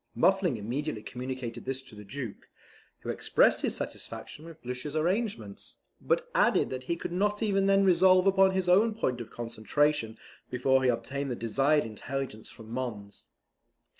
Muffling immediately communicated this to the Duke, who expressed his satisfaction with Blucher's arrangements, but added that he could not even then resolve upon his own point of concentration before he obtained the desired intelligence from Mons.